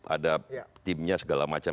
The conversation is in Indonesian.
ada timnya segala macam